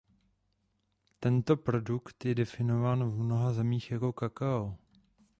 Tento produkt je definován v mnoha zemích jako kakao.